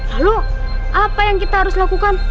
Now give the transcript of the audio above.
halo apa yang kita harus lakukan